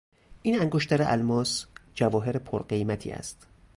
این انگشتر الماس، جواهر پر قیمتی است.